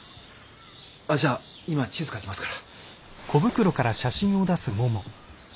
あっじゃあ今地図描きますから。